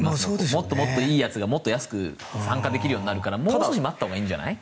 もっともっといいやつがもっと安く参加できるようになるからもう少し待ったほうがいいんじゃない？